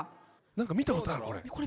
何か見たことあるこれ。